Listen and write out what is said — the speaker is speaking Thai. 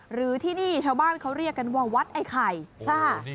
หรือที่นี่ชาวบ้านเขาเรียกกันว่าวัดไอ้ไข่ค่ะ